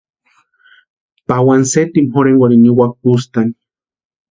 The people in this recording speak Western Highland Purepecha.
Pawani sétima jorhenkwarhini niwaka kustani.